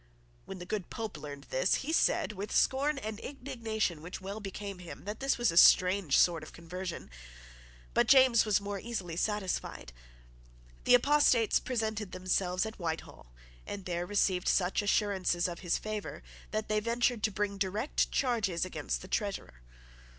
When the good Pope learned this, he said, with scorn and indignation which well became him, that this was a strange sort of conversion. But James was more easily satisfied. The apostates presented themselves at Whitehall, and there received such assurances of his favour, that they ventured to bring direct charges against the Treasurer.